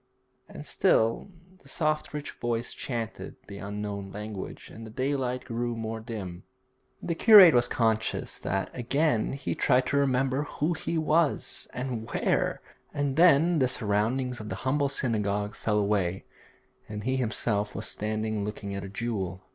And still the soft rich voice chanted the unknown language, and the daylight grew more dim. The curate was conscious that again he tried to remember who he was, and where; and then the surroundings of the humble synagogue fell away, and he himself was standing looking at a jewel.